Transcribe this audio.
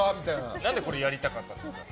何でこれやりたかったんですか？